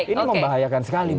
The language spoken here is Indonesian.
ini membahayakan sekali